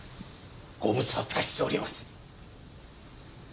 ご無沙汰しております